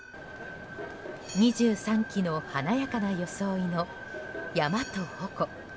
２３基の華やかな装いの山と鉾。